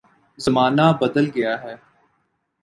زمانہ بدل گیا ہے۔